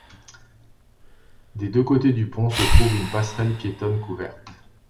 Des deux côtés du pont se trouve une passerelle piétonne couverte.